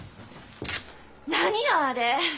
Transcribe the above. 何よあれ！